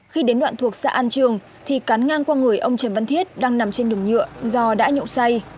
khi đến đoạn thuộc xã an trường thì cán ngang qua người ông trần văn thiết đang nằm trên đường nhựa do đã nhậu say